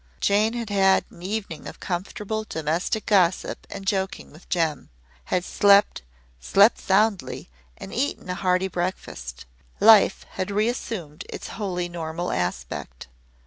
Jane had had an evening of comfortable domestic gossip and joking with Jem, had slept, slept soundly and eaten a hearty breakfast. Life had reassumed its wholly normal aspect.